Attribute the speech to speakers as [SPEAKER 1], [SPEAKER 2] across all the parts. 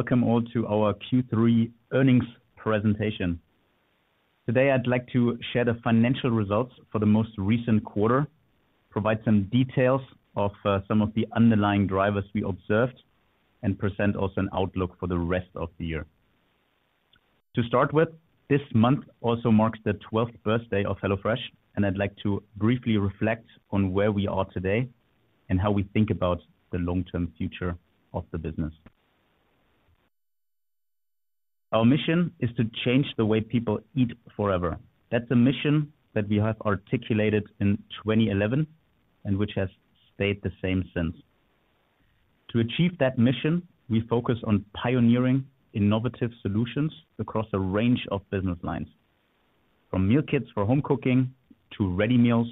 [SPEAKER 1] Welcome all to our Q3 earnings presentation. Today, I'd like to share the financial results for the most recent quarter, provide some details of some of the underlying drivers we observed, and present also an outlook for the rest of the year. To start with, this month also marks the twelfth birthday of HelloFresh, and I'd like to briefly reflect on where we are today and how we think about the long-term future of the business. Our mission is to change the way people eat forever. That's a mission that we have articulated in 2011, and which has stayed the same since. To achieve that mission, we focus on pioneering innovative solutions across a range of business lines, from meal kits for home cooking to ready meals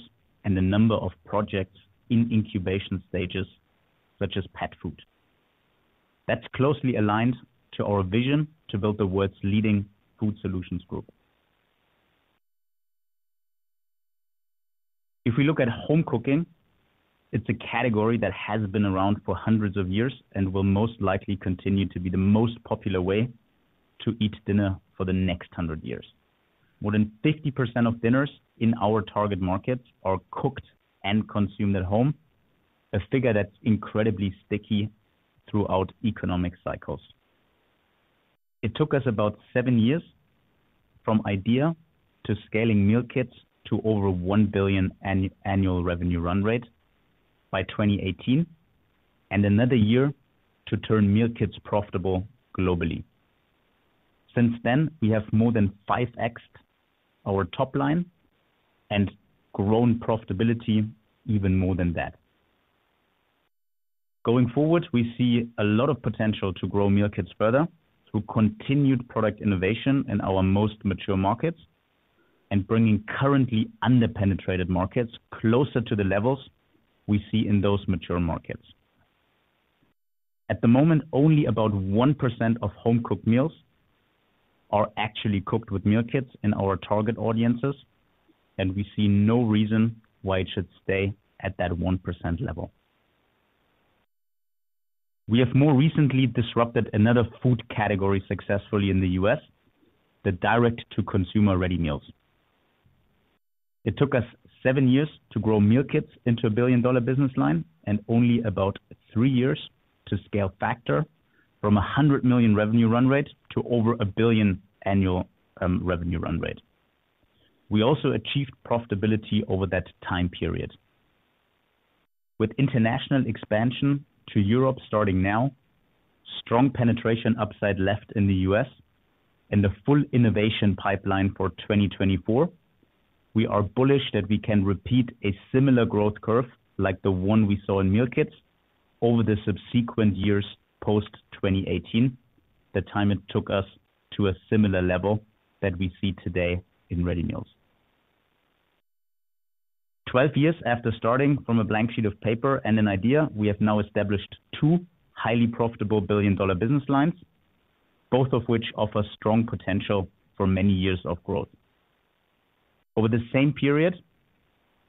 [SPEAKER 1] and a number of projects in incubation stages, such as pet food. That's closely aligned to our vision to build the world's leading food solutions group. If we look at home cooking, it's a category that has been around for hundreds of years and will most likely continue to be the most popular way to eat dinner for the next hundred years. More than 50% of dinners in our target markets are cooked and consumed at home, a figure that's incredibly sticky throughout economic cycles. It took us about 7 years, from idea to scaling meal kits to over 1 billion annual revenue run rate by 2018, and another year to turn meal kits profitable globally. Since then, we have more than 5x'd our top line and grown profitability even more than that. Going forward, we see a lot of potential to grow meal kits further through continued product innovation in our most mature markets and bringing currently under-penetrated markets closer to the levels we see in those mature markets. At the moment, only about 1% of home-cooked meals are actually cooked with meal kits in our target audiences, and we see no reason why it should stay at that 1% level. We have more recently disrupted another food category successfully in the US, the direct-to-consumer ready meals. It took us 7 years to grow meal kits into a billion-dollar business line and only about 3 years to scale Factor from a $100 million revenue run rate to over a $1 billion annual revenue run rate. We also achieved profitability over that time period. With international expansion to Europe starting now, strong penetration upside left in the U.S., and the full innovation pipeline for 2024, we are bullish that we can repeat a similar growth curve like the one we saw in meal kits over the subsequent years, post-2018, the time it took us to a similar level that we see today in ready meals. 12 years after starting from a blank sheet of paper and an idea, we have now established two highly profitable billion-dollar business lines, both of which offer strong potential for many years of growth. Over the same period,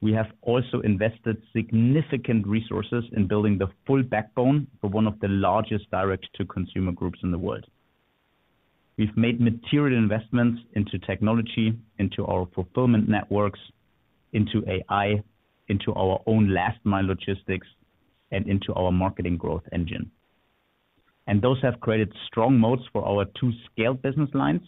[SPEAKER 1] we have also invested significant resources in building the full backbone for one of the largest direct-to-consumer groups in the world. We've made material investments into technology, into our fulfillment networks, into AI, into our own last mile logistics, and into our marketing growth engine. Those have created strong moats for our two scaled business lines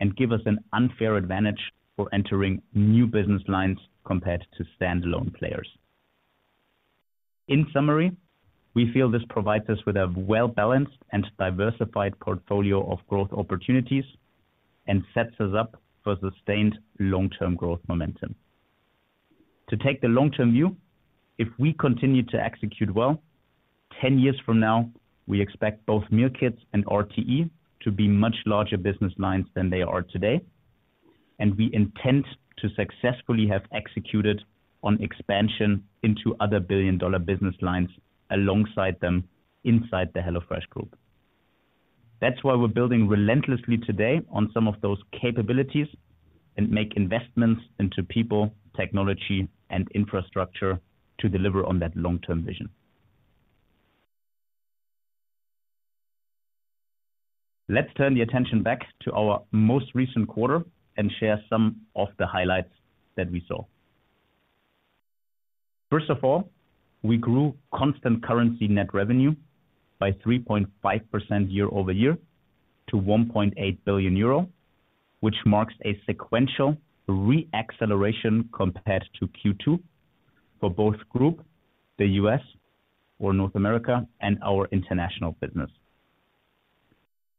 [SPEAKER 1] and give us an unfair advantage for entering new business lines compared to standalone players. In summary, we feel this provides us with a well-balanced and diversified portfolio of growth opportunities and sets us up for sustained long-term growth momentum. To take the long-term view, if we continue to execute well, 10 years from now, we expect both meal kits and RTE to be much larger business lines than they are today, and we intend to successfully have executed on expansion into other billion-dollar business lines alongside them inside the HelloFresh Group. That's why we're building relentlessly today on some of those capabilities and make investments into people, technology, and infrastructure to deliver on that long-term vision. Let's turn the attention back to our most recent quarter and share some of the highlights that we saw. First of all, we grew constant currency net revenue by 3.5% year-over-year to 1.8 billion euro, which marks a sequential re-acceleration compared to Q2 for both group, the US or North America, and our international business.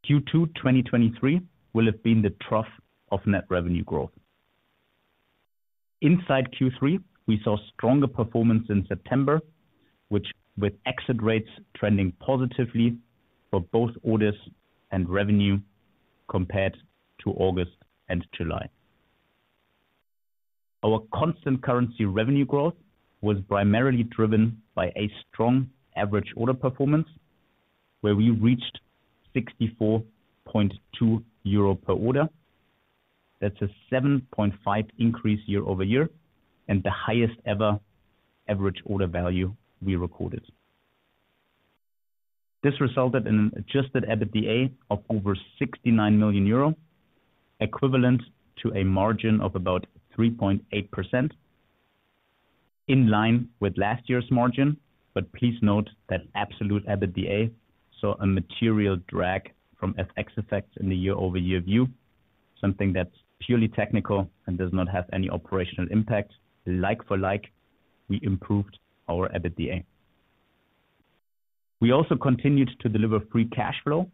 [SPEAKER 1] Q2 2023 will have been the trough of net revenue growth. Inside Q3, we saw stronger performance in September, which with exit rates trending positively for both orders and revenue compared to August and July. Our constant currency revenue growth was primarily driven by a strong average order performance, where we reached 64.2 euro per order. That's a 7.5% increase year-over-year, and the highest ever average order value we recorded. This resulted in an adjusted EBITDA of over 69 million euro, equivalent to a margin of about 3.8%, in line with last year's margin. But please note that absolute EBITDA saw a material drag from FX effects in the year-over-year view, something that's purely technical and does not have any operational impact. Like for like, we improved our EBITDA. We also continued to deliver free cash flow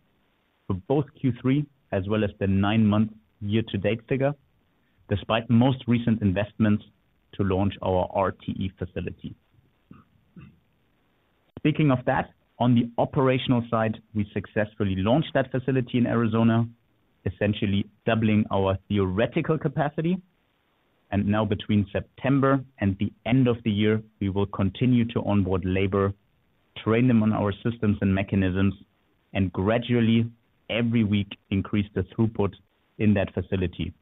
[SPEAKER 1] for both Q3 as well as the nine-month year-to-date figure, despite the most recent investments to launch our RTE facility. Speaking of that, on the operational side, we successfully launched that facility in Arizona, essentially doubling our theoretical capacity. Now between September and the end of the year, we will continue to onboard labor, train them on our systems and mechanisms, and gradually, every week, increase the throughput in that facility.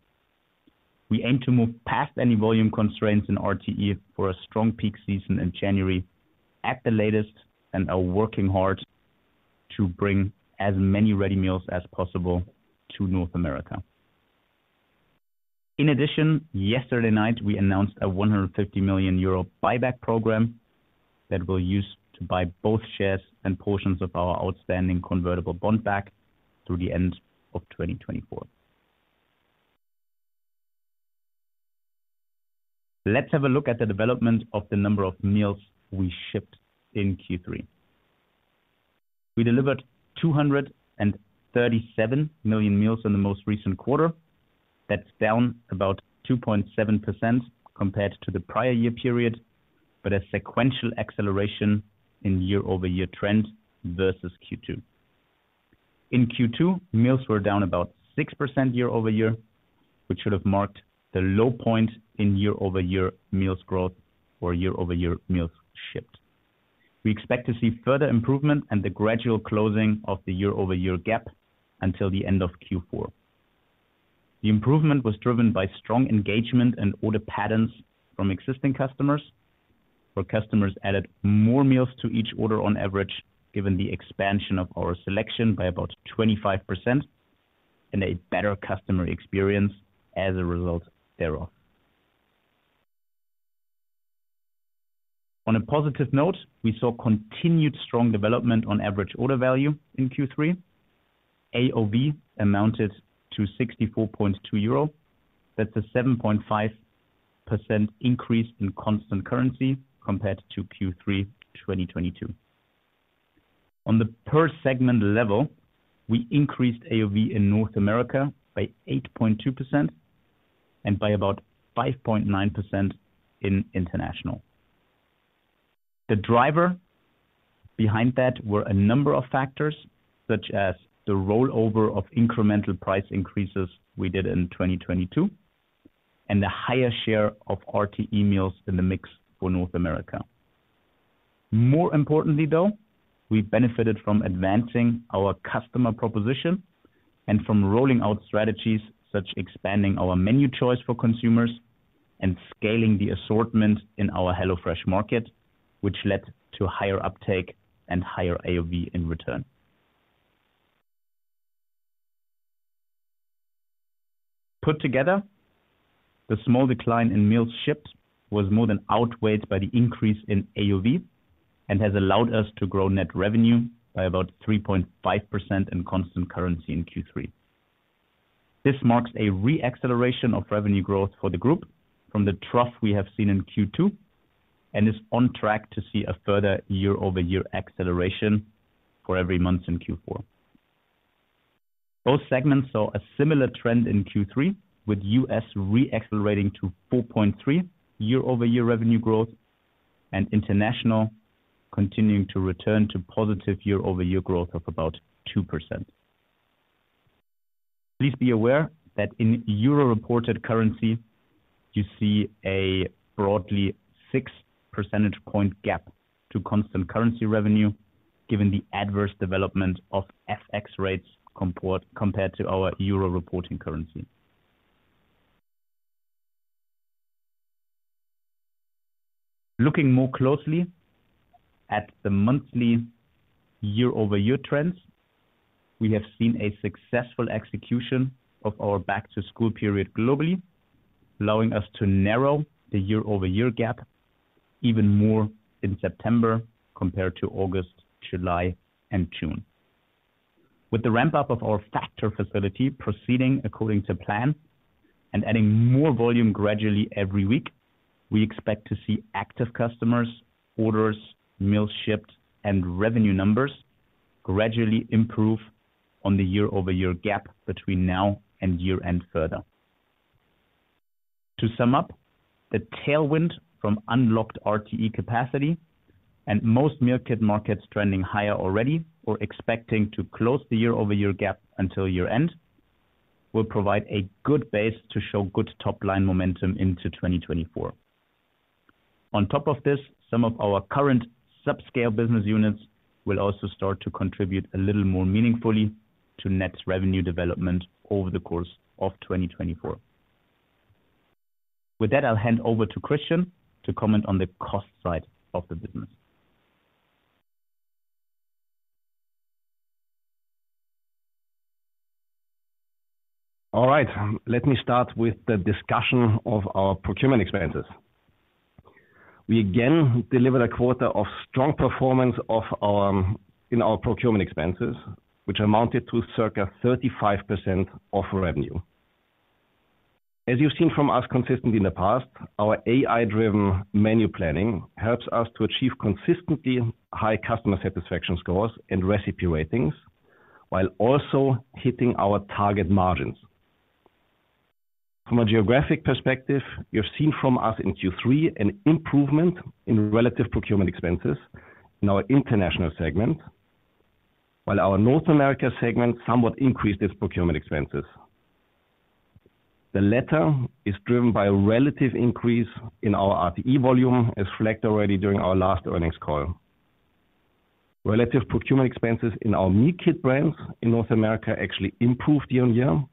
[SPEAKER 1] We aim to move past any volume constraints in RTE for a strong peak season in January at the latest, and are working hard to bring as many ready meals as possible to North America. In addition, yesterday night, we announced a 150 million euro buyback program that we'll use to buy both shares and portions of our outstanding convertible bond back through the end of 2024. Let's have a look at the development of the number of meals we shipped in Q3. We delivered 237 million meals in the most recent quarter. That's down about 2.7% compared to the prior year period, but a sequential acceleration in year-over-year trends versus Q2. In Q2, meals were down about 6% year over year, which should have marked the low point in year-over-year meals growth or year-over-year meals shipped. We expect to see further improvement and the gradual closing of the year-over-year gap until the end of Q4. The improvement was driven by strong engagement and order patterns from existing customers, where customers added more meals to each order on average, given the expansion of our selection by about 25%, and a better customer experience as a result thereof. On a positive note, we saw continued strong development on average order value in Q3. AOV amounted to 64.2 euro. That's a 7.5% increase in constant currency compared to Q3 2022. On the per segment level, we increased AOV in North America by 8.2% and by about 5.9% in international. The driver behind that were a number of factors, such as the rollover of incremental price increases we did in 2022, and the higher share of RTE meals in the mix for North America. More importantly, though, we benefited from advancing our customer proposition and from rolling out strategies such as expanding our menu choice for consumers and scaling the assortment in our HelloFresh Market, which led to higher uptake and higher AOV in return. Put together, the small decline in meals shipped was more than outweighed by the increase in AOV, and has allowed us to grow net revenue by about 3.5% in constant currency in Q3. This marks a re-acceleration of revenue growth for the group from the trough we have seen in Q2, and is on track to see a further year-over-year acceleration for every month in Q4. Both segments saw a similar trend in Q3, with U.S. re-accelerating to 4.3 year-over-year revenue growth and international continuing to return to positive year-over-year growth of about 2%. Please be aware that in EUR-reported currency, you see a broadly six percentage point gap to constant currency revenue, given the adverse development of FX rates compared to our EUR reporting currency. Looking more closely at the monthly year-over-year trends, we have seen a successful execution of our back-to-school period globally, allowing us to narrow the year-over-year gap even more in September compared to August, July, and June. With the ramp-up of our Factor facility proceeding according to plan and adding more volume gradually every week, we expect to see active customers, orders, meals shipped, and revenue numbers gradually improve on the year-over-year gap between now and year-end further. To sum up, the tailwind from unlocked RTE capacity and most meal kit markets trending higher already or expecting to close the year-over-year gap until year-end, will provide a good base to show good top line momentum into 2024. On top of this, some of our current subscale business units will also start to contribute a little more meaningfully to net revenue development over the course of 2024. With that, I'll hand over to Christian to comment on the cost side of the business.
[SPEAKER 2] All right, let me start with the discussion of our procurement expenses. We again delivered a quarter of strong performance of our in our procurement expenses, which amounted to circa 35% of revenue. As you've seen from us consistently in the past, our AI-driven menu planning helps us to achieve consistently high customer satisfaction scores and recipe ratings, while also hitting our target margins. From a geographic perspective, you've seen from us in Q3 an improvement in relative procurement expenses in our international segment, while our North America segment somewhat increased its procurement expenses. The latter is driven by a relative increase in our RTE volume, as reflected already during our last earnings call. Relative procurement expenses in our meal kit brands in North America actually improved year-on-year,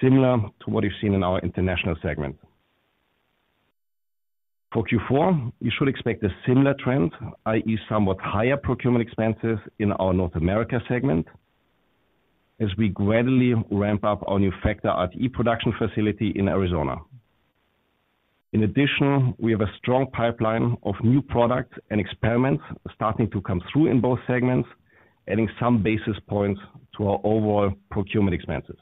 [SPEAKER 2] similar to what you've seen in our international segment. For Q4, you should expect a similar trend, i.e., somewhat higher procurement expenses in our North America segment as we gradually ramp up our new Factor RTE production facility in Arizona. In addition, we have a strong pipeline of new products and experiments starting to come through in both segments, adding some basis points to our overall procurement expenses.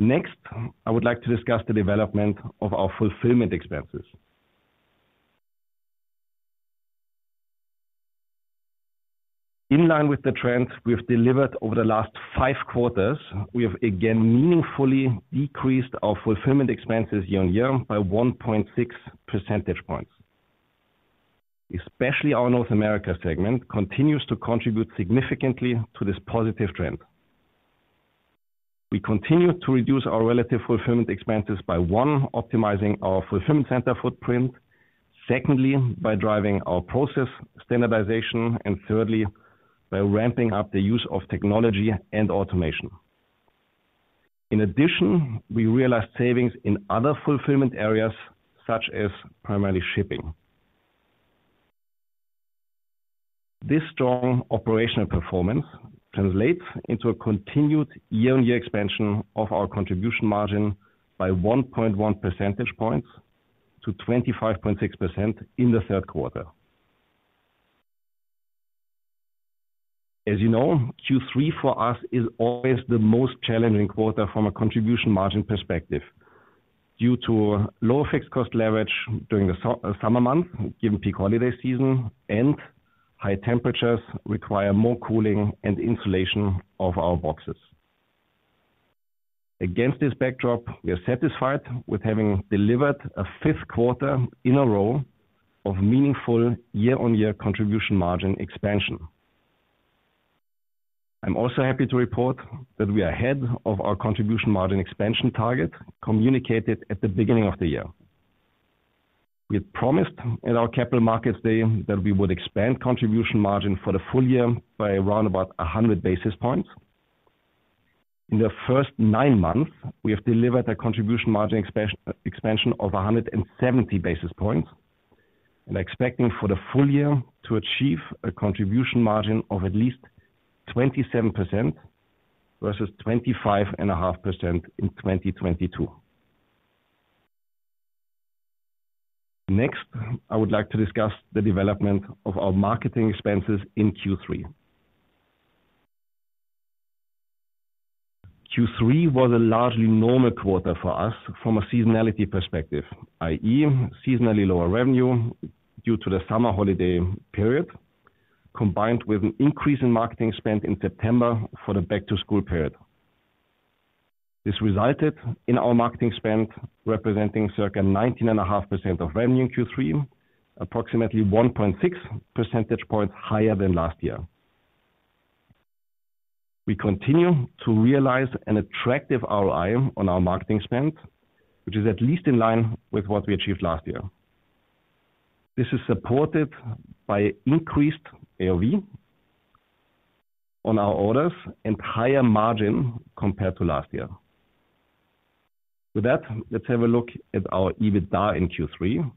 [SPEAKER 2] Next, I would like to discuss the development of our fulfillment expenses. In line with the trends we've delivered over the last five quarters, we have again meaningfully decreased our fulfillment expenses year-on-year by 1.6 percentage points. Especially our North America segment continues to contribute significantly to this positive trend. We continue to reduce our relative fulfillment expenses by, 1, optimizing our fulfillment center footprint, secondly, by driving our process standardization, and thirdly, by ramping up the use of technology and automation. In addition, we realized savings in other fulfillment areas, such as primarily shipping. This strong operational performance translates into a continued year-on-year expansion of our contribution margin by 1.1 percentage points to 25.6% in the third quarter. As you know, Q3 for us is always the most challenging quarter from a contribution margin perspective, due to lower fixed cost leverage during the summer months, given peak holiday season and high temperatures require more cooling and insulation of our boxes. Against this backdrop, we are satisfied with having delivered a 5th quarter in a row of meaningful year-on-year contribution margin expansion. I'm also happy to report that we are ahead of our contribution margin expansion target, communicated at the beginning of the year. We had promised at our Capital Markets Day that we would expand contribution margin for the full year by around about 100 basis points. In the first nine months, we have delivered a contribution margin expansion of 170 basis points, and expecting for the full year to achieve a contribution margin of at least 27% versus 25.5% in 2022. Next, I would like to discuss the development of our marketing expenses in Q3. Q3 was a largely normal quarter for us from a seasonality perspective, i.e., seasonally lower revenue due to the summer holiday period, combined with an increase in marketing spend in September for the back-to-school period. This resulted in our marketing spend, representing circa 19.5% of revenue in Q3, approximately 1.6 percentage points higher than last year. We continue to realize an attractive ROI on our marketing spend, which is at least in line with what we achieved last year. This is supported by increased AOV on our orders and higher margin compared to last year. With that, let's have a look at our EBITDA in Q3.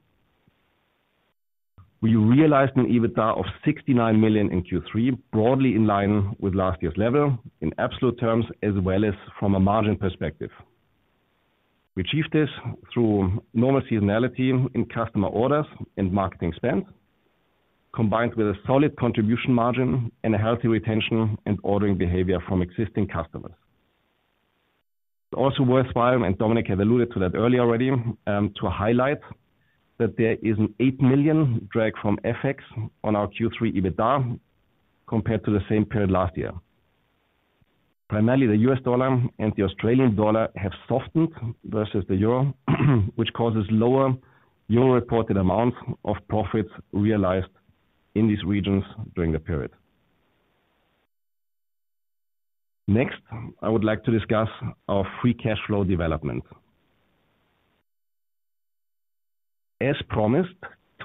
[SPEAKER 2] We realized an EBITDA of 69 million in Q3, broadly in line with last year's level in absolute terms, as well as from a margin perspective. We achieved this through normal seasonality in customer orders and marketing spend, combined with a solid contribution margin and a healthy retention and ordering behavior from existing customers. It's also worthwhile, and Dominik has alluded to that earlier already, to highlight that there is a 8 million drag from FX on our Q3 EBITDA compared to the same period last year. Primarily, the US dollar and the Australian dollar have softened versus the euro, which causes lower euro-reported amounts of profits realized in these regions during the period. Next, I would like to discuss our free cash flow development. As promised,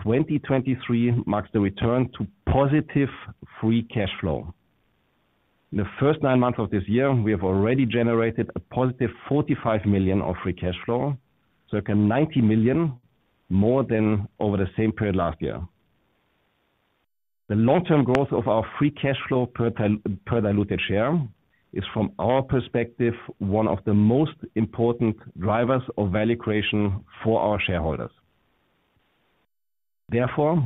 [SPEAKER 2] 2023 marks the return to positive free cash flow. In the first nine months of this year, we have already generated a positive 45 million of free cash flow, circa 90 million more than over the same period last year. The long-term growth of our free cash flow per diluted share is, from our perspective, one of the most important drivers of value creation for our shareholders. Therefore,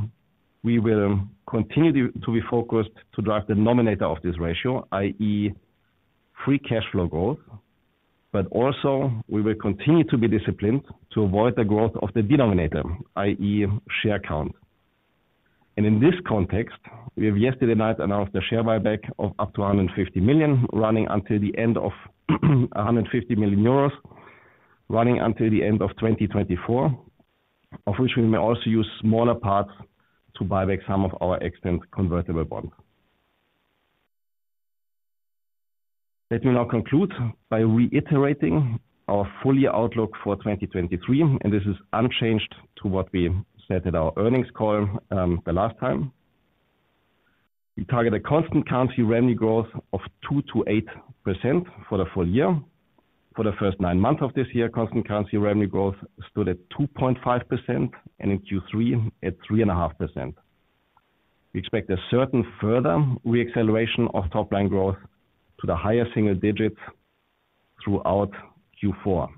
[SPEAKER 2] we will continue to be focused to drive the numerator of this ratio, i.e., free cash flow growth, but also we will continue to be disciplined to avoid the growth of the denominator, i.e., share count. And in this context, we have yesterday night announced a share buyback of up to 150 million euros, running until the end of 2024, of which we may also use smaller parts to buy back some of our outstanding convertible bond. Let me now conclude by reiterating our full year outlook for 2023, and this is unchanged to what we said at our earnings call, the last time. We target a constant currency revenue growth of 2%-8% for the full year. For the first nine months of this year, constant currency revenue growth stood at 2.5% and in Q3 at 3.5%. We expect a certain further re-acceleration of top line growth to the highest single digits throughout Q4.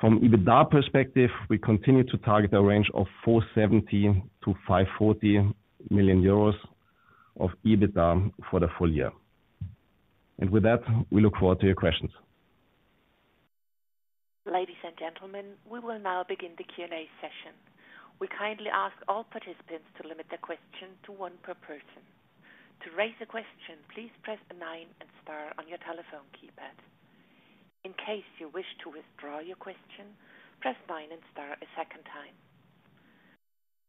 [SPEAKER 2] From EBITDA perspective, we continue to target a range of 470 million-540 million euros of EBITDA for the full year. And with that, we look forward to your questions.
[SPEAKER 3] Ladies and gentlemen, we will now begin the Q&A session. We kindly ask all participants to limit their question to one per person. To raise a question, please press nine and star on your telephone keypad. In case you wish to withdraw your question, press nine and star a second time.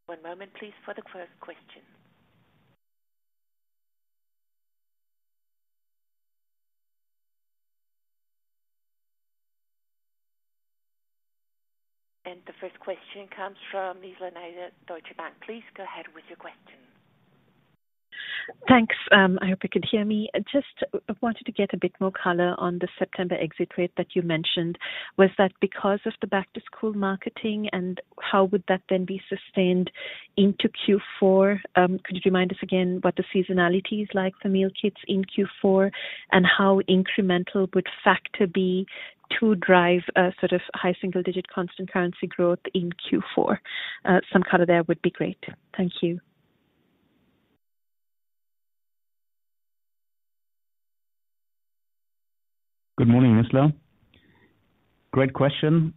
[SPEAKER 3] One moment, please, for the first question. The first question comes from Nizla Naizer, Deutsche Bank. Please go ahead with your question.
[SPEAKER 4] Thanks. I hope you can hear me. I just wanted to get a bit more color on the September exit rate that you mentioned. Was that because of the back-to-school marketing, and how would that then be sustained into Q4? Could you remind us again what the seasonality is like for meal kits in Q4? And how incremental would factor be to drive, a sort of, high single digit constant currency growth in Q4? Some color there would be great. Thank you.
[SPEAKER 2] Good morning, Nisla. Great question.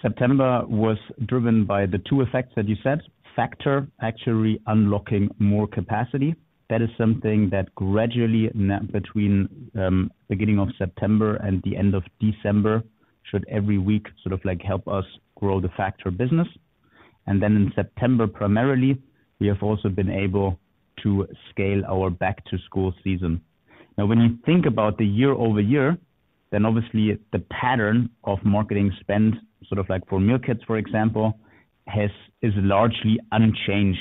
[SPEAKER 2] September was driven by the two effects that you said. Factor actually unlocking more capacity. That is something that gradually, between beginning of September and the end of December, should every week, sort of like, help us grow the Factor business. And then in September, primarily, we have also been able to scale our back to school season. Now, when you think about the year-over-year, then obviously the pattern of marketing spend, sort of like for meal kits, for example, is largely unchanged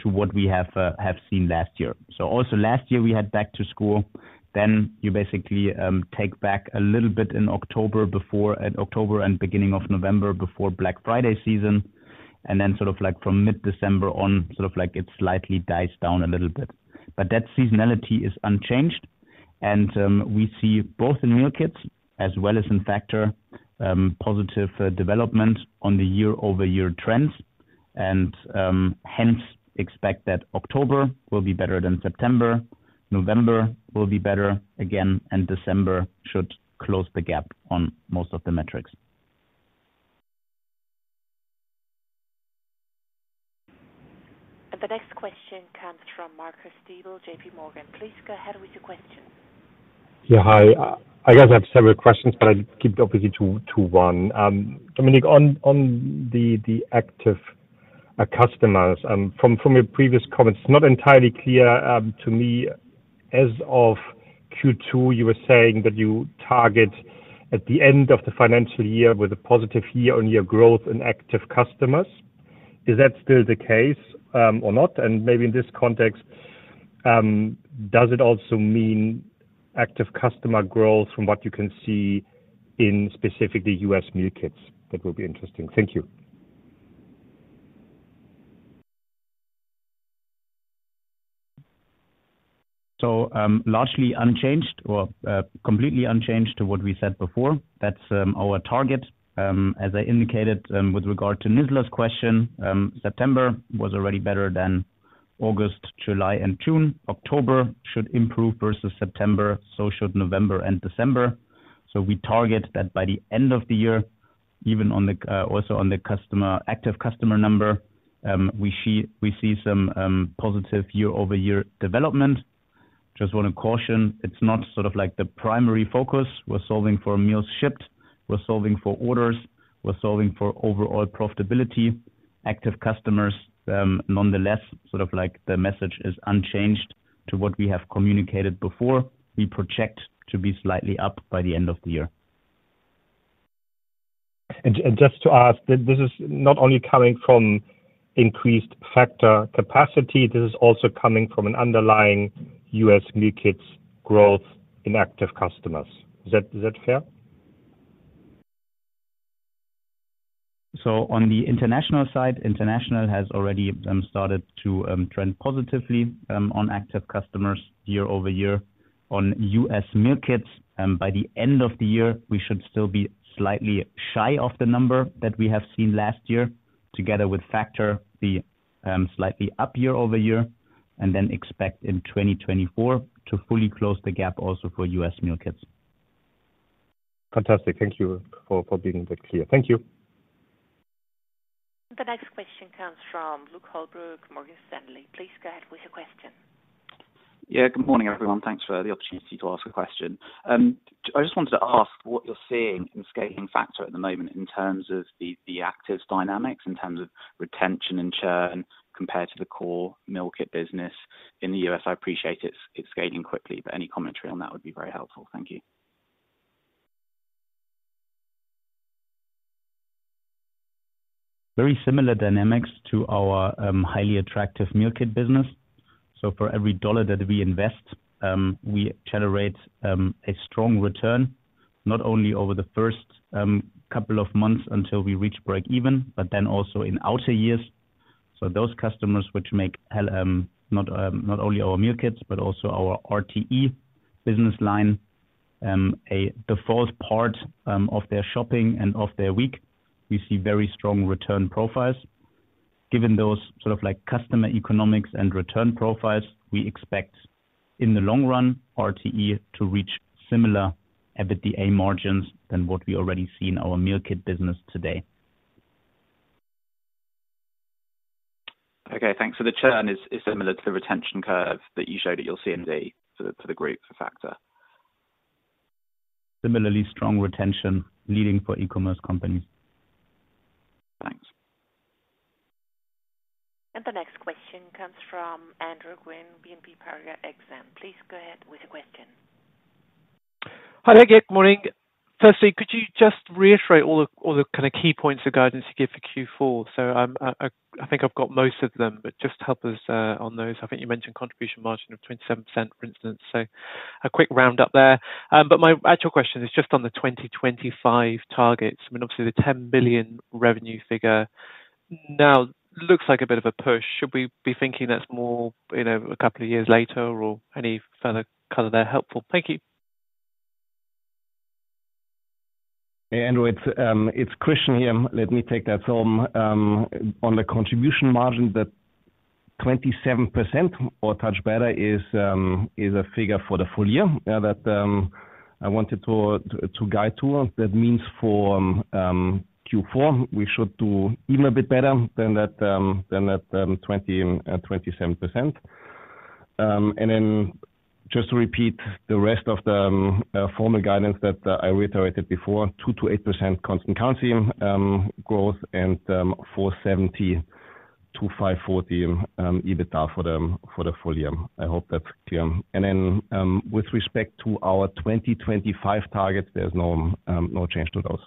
[SPEAKER 2] to what we have, have seen last year. So also last year, we had back to school. Then you basically take back a little bit in October, before at October and beginning of November, before Black Friday season, and then sort of like from mid-December on, sort of like it slightly dies down a little bit. But that seasonality is unchanged, and we see both in meal kits as well as in Factor, positive development on the year-over-year trends, and hence expect that October will be better than September, November will be better again, and December should close the gap on most of the metrics.
[SPEAKER 3] The next question comes from Marcus Diebel, J.P. Morgan. Please go ahead with your question.
[SPEAKER 5] Yeah. Hi, I guess I have several questions, but I'll keep it obviously to, to one. Dominik, on, on the, the active, customers, from, from your previous comments, it's not entirely clear, to me. As of Q2, you were saying that you target at the end of the financial year with a positive year-on-year growth in active customers. Is that still the case, or not? And maybe in this context, does it also mean active customer growth from what you can see in specifically U.S. meal kits? That would be interesting. Thank you.
[SPEAKER 2] So, largely unchanged or, completely unchanged to what we said before. That's our target. As I indicated, with regard to Nisla's question, September was already better than August, July, and June. October should improve versus September, so should November and December. So we target that by the end of the year, even on the, also on the customer active customer number, we see some positive year-over-year development. Just want to caution, it's not sort of like the primary focus. We're solving for meals shipped, we're solving for orders, we're solving for overall profitability. active customers. Nonetheless, sort of like the message is unchanged to what we have communicated before. We project to be slightly up by the end of the year.
[SPEAKER 5] Just to ask, this is not only coming from increased Factor capacity, this is also coming from an underlying U.S. meal kits growth in active customers. Is that fair?
[SPEAKER 1] So on the international side, international has already started to trend positively on active customers year-over-year on U.S. meal kits. By the end of the year, we should still be slightly shy of the number that we have seen last year, together with Factor, the slightly up year-over-year, and then expect in 2024 to fully close the gap also for U.S. meal kits.
[SPEAKER 5] Fantastic. Thank you for being that clear. Thank you.
[SPEAKER 3] The next question comes from Luke Holbrook, Morgan Stanley. Please go ahead with your question.
[SPEAKER 6] Yeah, good morning, everyone. Thanks for the opportunity to ask a question. I just wanted to ask what you're seeing in scaling Factor at the moment in terms of the actives dynamics, in terms of retention and churn compared to the core meal kit business in the U.S. I appreciate it's scaling quickly, but any commentary on that would be very helpful. Thank you.
[SPEAKER 1] Very similar dynamics to our highly attractive meal kit business. So for every $1 that we invest, we generate a strong return, not only over the first couple of months until we reach breakeven, but then also in outer years. So those customers, which make not only our meal kits but also our RTE business line a default part of their shopping and of their week, we see very strong return profiles. Given those sort of like customer economics and return profiles, we expect in the long run, RTE to reach similar EBITDA margins than what we already see in our meal kit business today.
[SPEAKER 6] Okay, thanks. So the churn is similar to the retention curve that you showed at your CMD for the group factor?
[SPEAKER 1] Similarly, strong retention leading for e-commerce companies.
[SPEAKER 6] Thanks.
[SPEAKER 3] The next question comes from Andrew Gwynn, BNP Paribas Exane. Please go ahead with your question.
[SPEAKER 7] Hi there. Good morning. Firstly, could you just reiterate all the kind of key points of guidance you gave for Q4? So, I think I've got most of them, but just help us on those. I think you mentioned contribution margin of 27%, for instance. So a quick round up there. But my actual question is just on the 2025 targets. I mean, obviously, the 10 billion revenue figure now looks like a bit of a push. Should we be thinking that's more, you know, a couple of years later or any further color there helpful? Thank you.
[SPEAKER 2] Hey, Andrew, it's Christian here. Let me take that. So, on the contribution margin, that 27% or touch better is a figure for the full year that I wanted to guide to. That means for Q4, we should do even a bit better than that 27%. And then just to repeat the rest of the formal guidance that I reiterated before, 2%-8% constant currency growth and 470-540 EBITDA for the full year. I hope that's clear. And then, with respect to our 2025 targets, there's no change to those.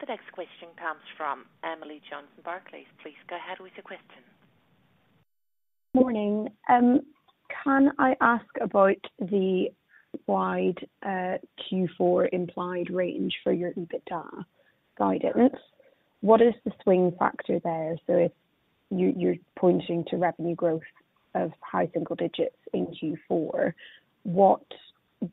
[SPEAKER 3] The next question comes from Emily Johnson, Barclays. Please go ahead with your question.
[SPEAKER 8] Morning. Can I ask about the wide Q4 implied range for your EBITDA guidance? What is the swing factor there? So if you're pointing to revenue growth of high single digits in Q4, what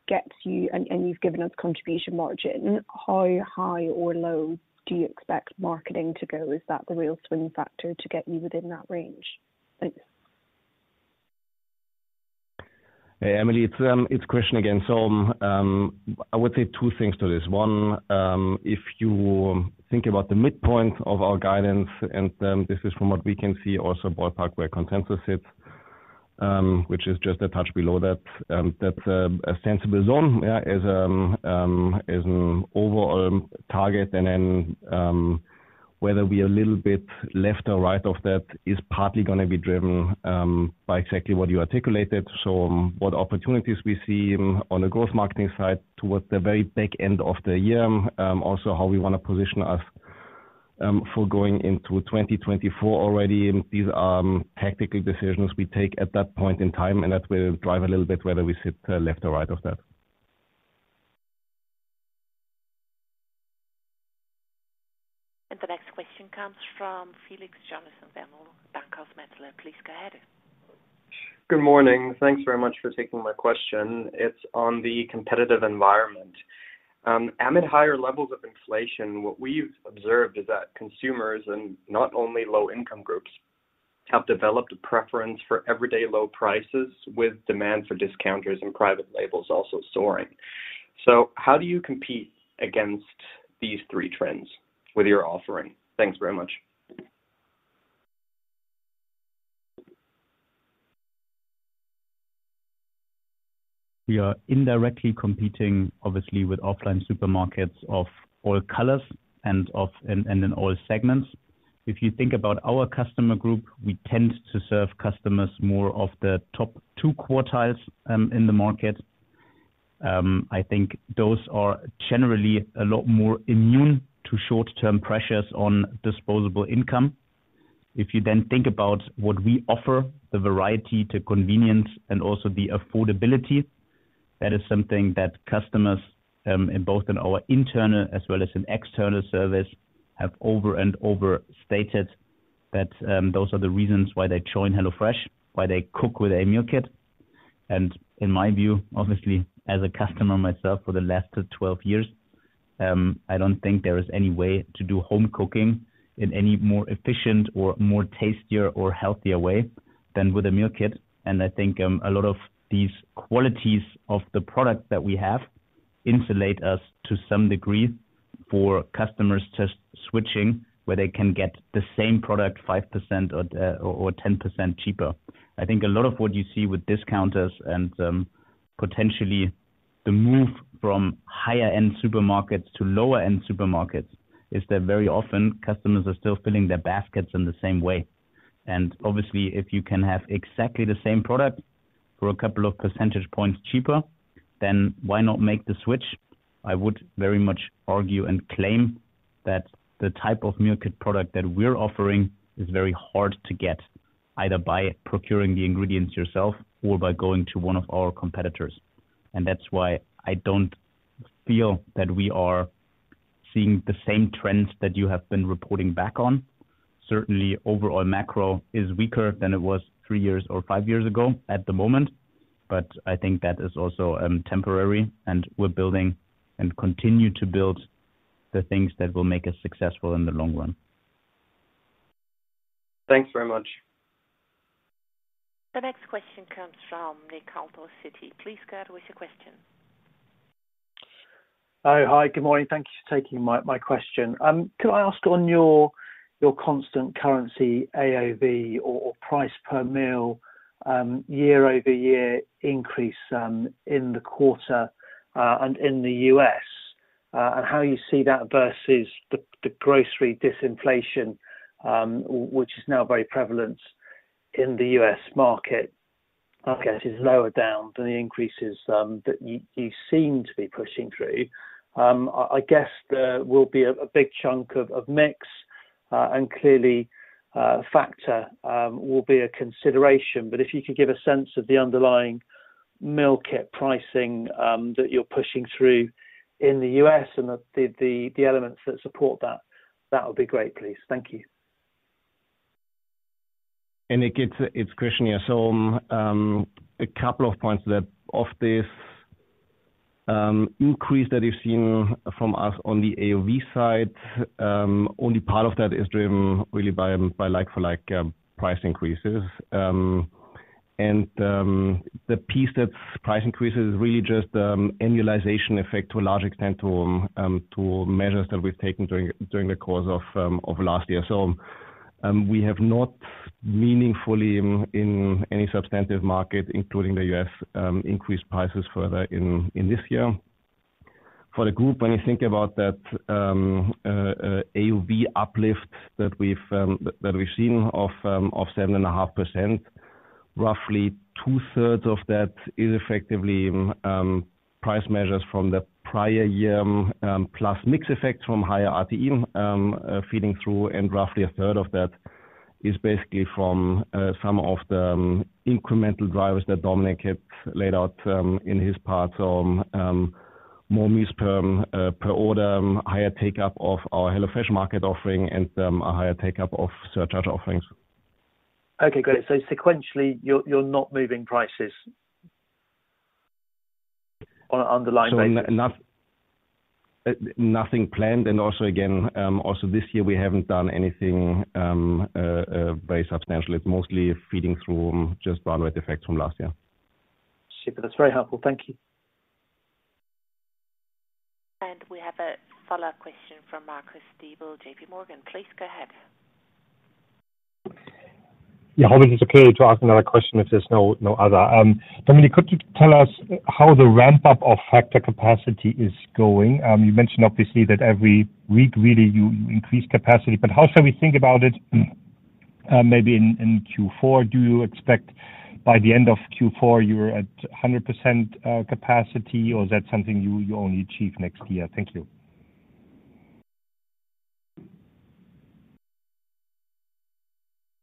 [SPEAKER 8] gets you and you've given us contribution margin, how high or low do you expect marketing to go? Is that the real swing factor to get you within that range? Thanks.
[SPEAKER 2] Hey, Emily, it's Christian again. So, I would say two things to this. One, if you think about the midpoint of our guidance, and, this is from what we can see, also ballpark, where consensus sits, which is just a touch below that. That's, a sensible zone, yeah, as as an overall target. And then, whether we are a little bit left or right of that is partly gonna be driven, by exactly what you articulated. So what opportunities we see on the growth marketing side towards the very back end of the year, also how we want to position us, for going into 2024 already. These are tactical decisions we take at that point in time, and that will drive a little bit whether we sit left or right of that.
[SPEAKER 3] The next question comes from Felix Jonathan, Bank of America. Please go ahead.
[SPEAKER 9] Good morning. Thanks very much for taking my question. It's on the competitive environment. Amid higher levels of inflation, what we've observed is that consumers and not only low-income groups, have developed a preference for everyday low prices, with demand for discounters and private labels also soaring. How do you compete against these three trends with your offering? Thanks very much.
[SPEAKER 1] We are indirectly competing, obviously, with offline supermarkets of all colors and in all segments. If you think about our customer group, we tend to serve customers more of the top two quartiles in the market. I think those are generally a lot more immune to short-term pressures on disposable income. If you then think about what we offer, the variety, the convenience, and also the affordability, that is something that customers in both our internal as well as in external service have over and over stated that those are the reasons why they join HelloFresh, why they cook with a meal kit. And in my view, obviously, as a customer myself for the last 12 years, I don't think there is any way to do home cooking in any more efficient or more tastier or healthier way than with a meal kit. And I think, a lot of these qualities of the product that we have insulate us to some degree for customers just switching, where they can get the same product, 5% or, or 10% cheaper. I think a lot of what you see with discounters and, potentially the move from higher-end supermarkets to lower-end supermarkets, is that very often customers are still filling their baskets in the same way. And obviously, if you can have exactly the same product for a couple of percentage points cheaper, then why not make the switch? I would very much argue and claim that the type of meal kit product that we're offering is very hard to get, either by procuring the ingredients yourself or by going to one of our competitors. That's why I don't feel that we are seeing the same trends that you have been reporting back on. Certainly, overall macro is weaker than it was three years or five years ago at the moment, but I think that is also temporary, and we're building and continue to build the things that will make us successful in the long run. Thanks very much.
[SPEAKER 3] The next question comes from Nick Coulter, Citi. Please go ahead with your question.
[SPEAKER 10] Hi. Hi, good morning. Thank you for taking my, my question. Could I ask on your, your constant currency, AOV or, or price per meal, year-over-year increase, in the quarter, and in the U.S.? And how you see that versus the, the grocery disinflation, which is now very prevalent in the U.S. market. I guess, is lower down than the increases, that you, you seem to be pushing through. I guess there will be a, a big chunk of, of mix, and clearly, Factor, will be a consideration. But if you could give a sense of the underlying meal kit pricing, that you're pushing through in the U.S. and the, the, the elements that support that, that would be great, please. Thank you.
[SPEAKER 2] It's Christian here. So, a couple of points that of this increase that you've seen from us on the AOV side, only part of that is driven really by, by like for like price increases. And, the piece that price increase is really just annualization effect to a large extent, to measures that we've taken during the course of of last year. So, we have not meaningfully in any substantive market, including the US, increased prices further in this year. For the group, when you think about that, AOV uplift that we've seen of 7.5%, roughly two-thirds of that is effectively price measures from the prior year, plus mix effects from higher RTE feeding through, and roughly a third of that is basically from some of the incremental drivers that Dominik had laid out in his part. So, more meals per order, higher take-up of our HelloFresh Market offering and a higher take-up of surcharge offerings.
[SPEAKER 10] Okay, great. So sequentially, you're not moving prices on the line basis?
[SPEAKER 2] Nothing planned, and also again, also this year, we haven't done anything, very substantial. It's mostly feeding through just runway effects from last year.
[SPEAKER 10] Super. That's very helpful. Thank you.
[SPEAKER 3] We have a follow-up question from Marcus Diebel, JP Morgan. Please go ahead.
[SPEAKER 5] Yeah. I hope it's okay to ask another question if there's no, no other. Dominik, could you tell us how the ramp-up of Factor capacity is going? You mentioned obviously, that every week, really, you increase capacity, but how shall we think about it, maybe in Q4? Do you expect by the end of Q4, you're at 100% capacity, or is that something you will only achieve next year? Thank you.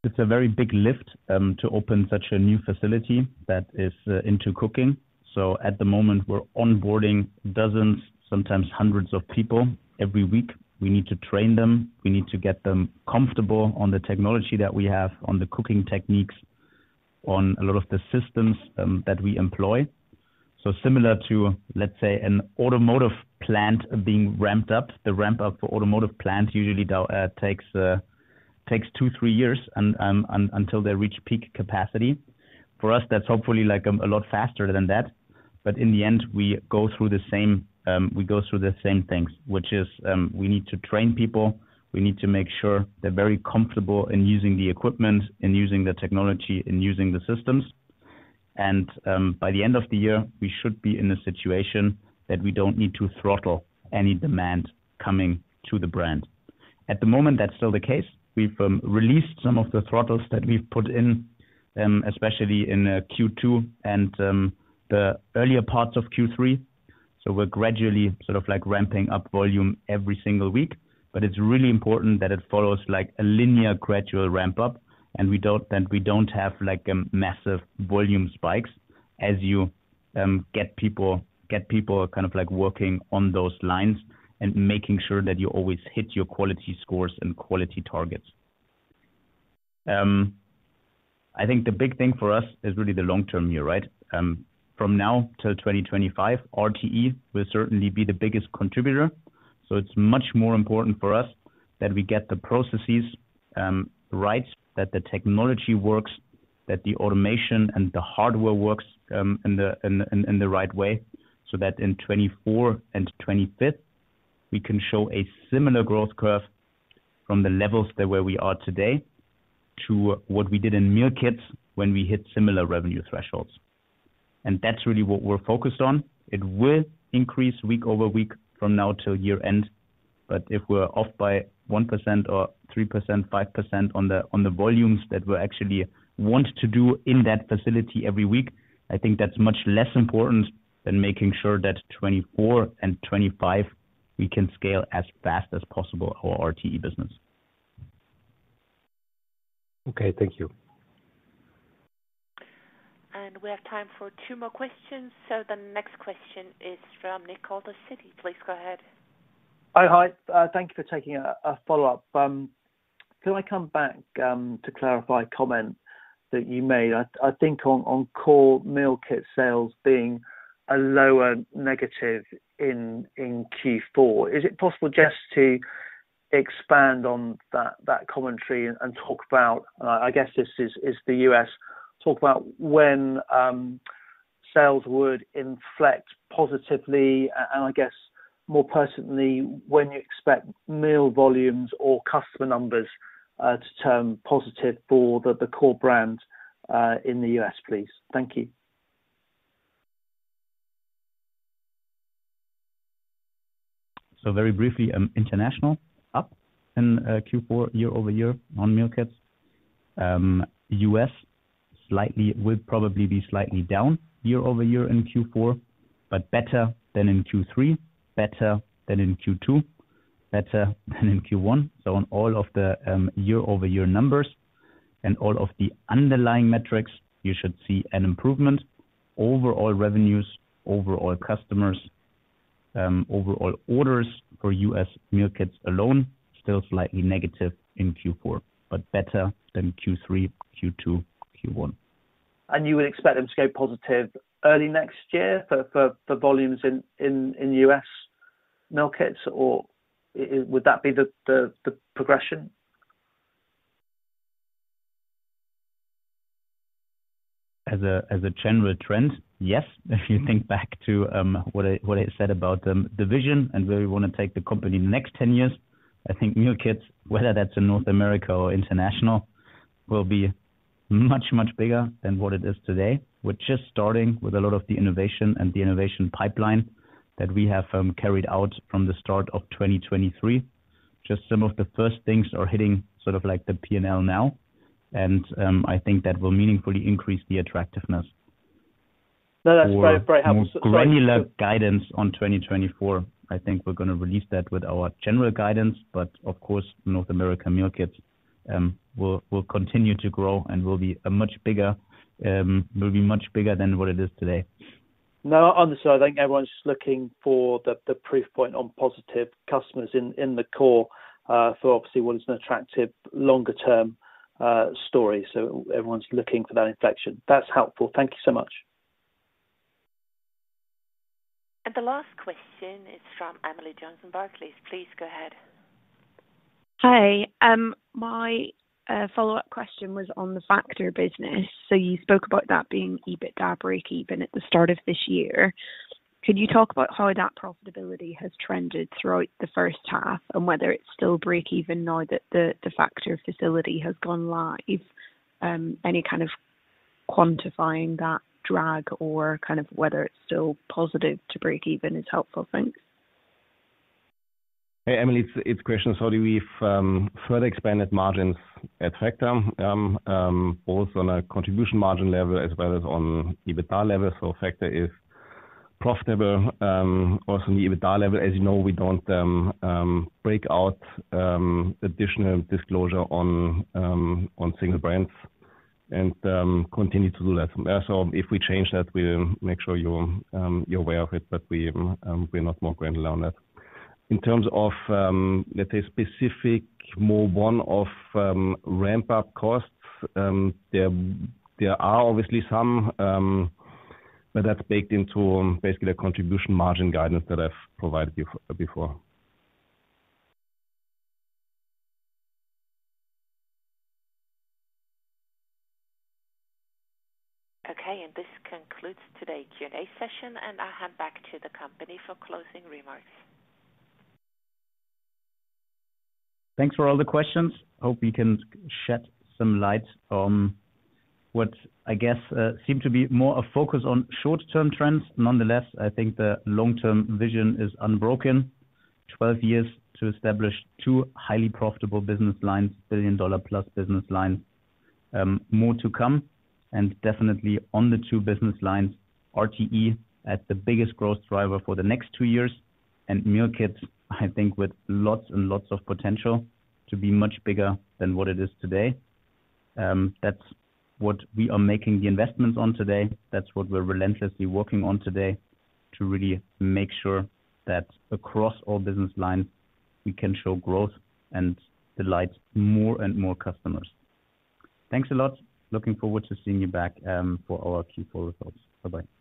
[SPEAKER 5] It's a very big lift, to open such a new facility that is into cooking. So at the moment, we're onboarding dozens, sometimes hundreds of people every week. We need to train them. We need to get them comfortable on the technology that we have, on the cooking techniques, on a lot of the systems that we employ. So similar to, let's say, an automotive plant being ramped up.
[SPEAKER 1] The ramp-up for automotive plants usually takes 2-3 years until they reach peak capacity. For us, that's hopefully, like, a lot faster than that. But in the end, we go through the same things, which is we need to train people. We need to make sure they're very comfortable in using the equipment and using the technology, and using the systems. By the end of the year, we should be in a situation that we don't need to throttle any demand coming to the brand. At the moment, that's still the case. We've released some of the throttles that we've put in, especially in Q2 and the earlier parts of Q3. So we're gradually sort of like ramping up volume every single week, but it's really important that it follows like a linear, gradual ramp up, and we don't, and we don't have, like, massive volume spikes as you get people, get people kind of like working on those lines and making sure that you always hit your quality scores and quality targets. I think the big thing for us is really the long term here, right? From now till 2025, RTE will certainly be the biggest contributor, so it's much more important for us that we get the processes right, that the technology works, that the automation and the hardware works in the, in the, in, in the right way. So that in 2024 and 2025, we can show a similar growth curve from the levels that where we are today, to what we did in Meal Kit when we hit similar revenue thresholds. That's really what we're focused on. It will increase week-over-week from now till year-end, but if we're off by 1% or 3%, 5% on the, on the volumes that we actually want to do in that facility every week, I think that's much less important than making sure that 2024 and 2025, we can scale as fast as possible our RTE business.
[SPEAKER 5] Okay, thank you.
[SPEAKER 3] We have time for two more questions. The next question is from Rick Alder, Citi, please go ahead.
[SPEAKER 10] Oh, hi. Thank you for taking a follow-up. Can I come back to clarify a comment that you made? I think on core Meal Kit sales being a lower negative in Q4. Is it possible just to expand on that commentary and talk about, I guess this is the US, talk about when sales would inflect positively and, I guess more personally, when you expect meal volumes or customer numbers to turn positive for the core brand in the US, please. Thank you.
[SPEAKER 1] So very briefly, international up in Q4 year-over-year on Meal Kit. U.S. slightly will probably be slightly down year-over-year in Q4, but better than in Q3, better than in Q2, better than in Q1. So on all of the year-over-year numbers and all of the underlying metrics, you should see an improvement. Overall revenues, overall customers, overall orders for U.S. Meal Kits alone, still slightly negative in Q4, but better than Q3, Q2, Q1.
[SPEAKER 10] You would expect them to go positive early next year for volumes in U.S. Meal Kits? Or would that be the progression?
[SPEAKER 1] As a general trend, yes. If you think back to what I said about the vision and where we want to take the company in the next 10 years, I think Meal Kit, whether that's in North America or international, will be much, much bigger than what it is today. We're just starting with a lot of the innovation and the innovation pipeline that we have carried out from the start of 2023. Just some of the first things are hitting sort of like the P&L now, and I think that will meaningfully increase the attractiveness.
[SPEAKER 10] No, that's very, very helpful.
[SPEAKER 1] Granular guidance on 2024, I think we're gonna release that with our general guidance, but of course, North America Meal Kit will continue to grow and will be much bigger than what it is today.
[SPEAKER 10] No, honestly, I think everyone's just looking for the proof point on positive customers in the core, for obviously what is an attractive longer-term story. So everyone's looking for that inflection. That's helpful. Thank you so much.
[SPEAKER 3] The last question is from Emily Johnson, Barclays. Please go ahead.
[SPEAKER 8] Hi. My follow-up question was on the Factor business. So you spoke about that being EBITDA breakeven at the start of this year. Could you talk about how that profitability has trended throughout the first half, and whether it's still breakeven now that the Factor facility has gone live? Any kind of quantifying that drag or kind of whether it's still positive to breakeven is helpful. Thanks.
[SPEAKER 1] Hey, Emily, it's Christian. So we've further expanded margins at Factor, both on a contribution margin level as well as on EBITDA level. So Factor is profitable, also on the EBITDA level. As you know, we don't break out additional disclosure on single brands and continue to do that. So if we change that, we'll make sure you're aware of it, but we're not more granular on that. In terms of, let's say, specific more one-off ramp-up costs, there are obviously some, but that's baked into basically the contribution margin guidance that I've provided before.
[SPEAKER 3] Okay, and this concludes today's Q&A session, and I'll hand back to the company for closing remarks.
[SPEAKER 1] Thanks for all the questions. Hope we can shed some light on what I guess seemed to be more a focus on short-term trends. Nonetheless, I think the long-term vision is unbroken. 12 years to establish two highly profitable business lines, $1 billion-plus business lines. More to come, and definitely on the two business lines, RTE as the biggest growth driver for the next two years, and Meal Kit, I think with lots and lots of potential to be much bigger than what it is today. That's what we are making the investments on today. That's what we're relentlessly working on today, to really make sure that across all business lines, we can show growth and delight more and more customers. Thanks a lot. Looking forward to seeing you back for our Q4 results. Bye-bye.